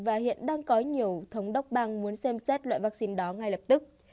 và hiện đang có nhiều thống đốc bang muốn xem xét loại vaccine đó ngay lập tức